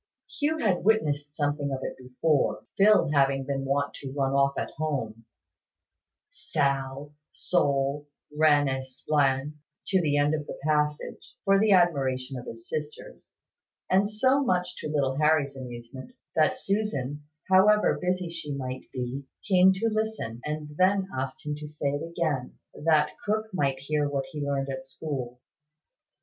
Hugh had witnessed something of it before, Phil having been wont to run off at home, "Sal, Sol, Ren et Splen," to the end of the passage, for the admiration of his sisters, and so much to little Harry's amusement, that Susan, however busy she might be, came to listen, and then asked him to say it again, that cook might hear what he learned at school.